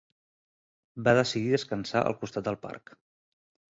Va decidir descansar al costat del parc.